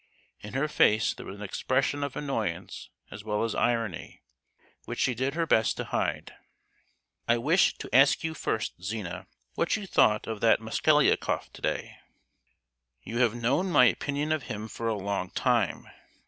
In her face there was an expression of annoyance as well as irony, which she did her best to hide. "I wish to ask you first, Zina, what you thought of that Mosgliakoff, to day?" "You have known my opinion of him for a long time!"